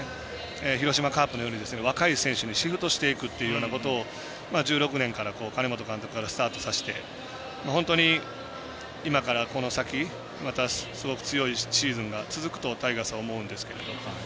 広島のカープのように若い選手にシフトしていくというようなことを１６年、金本監督からスタートさせて、今からこの先またすごく強いシーズンが続くとタイガースは思うんですけど。